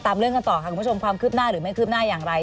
เรื่องกันต่อค่ะคุณผู้ชมความคืบหน้าหรือไม่คืบหน้าอย่างไร